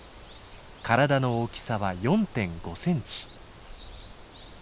体の大きさは４．５センチ。